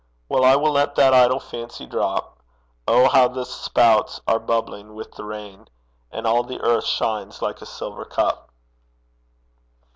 Well, I will let that idle fancy drop. Oh, how the spouts are bubbling with the rain! And all the earth shines like a silver cup!